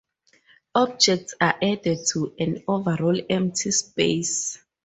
Objects are added to an overall empty space.